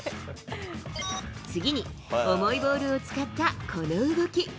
次に重いボールを使ったこの動き。